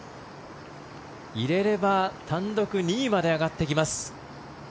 入れれば単独２位まで上がってきます。